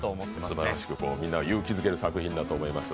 すばらしく、みんなを勇気づける作品だと思います。